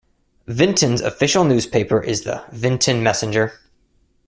Vinton's official newspaper is the "Vinton Messenger".